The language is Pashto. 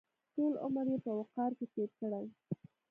ټول عمر یې په وقار کې تېر کړی.